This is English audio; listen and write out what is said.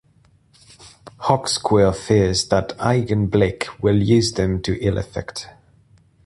Hawksquill fears that Eigenblick will use them to ill-effect.